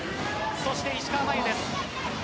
そして、石川真佑です。